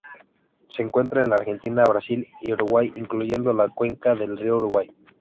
Se encuentra en la Argentina, Brasil y Uruguay, incluyendo la cuenca del río Uruguay.